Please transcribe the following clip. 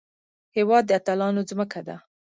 هېواد د اتلانو ځمکه ده